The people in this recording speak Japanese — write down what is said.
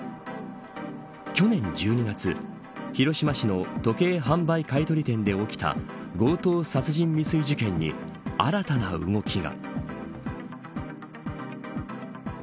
去年１２月広島市の時計販売買い取り店で起きた強盗殺人未遂事件に新たな動きが。